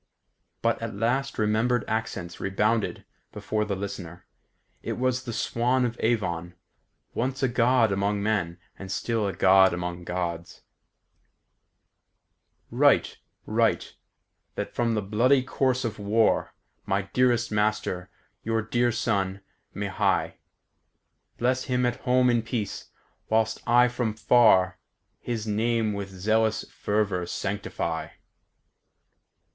But at last remembered accents rebounded before the listener. It was the Swan of Avon, once a God among men, and still a God among Gods: "Write, write, that from the bloody course of war, My dearest master, your dear son, may hie; Bless him at home in peace, whilst I from far, His name with zealous fervour sanctify."